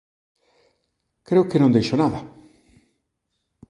Creo que non deixo nada.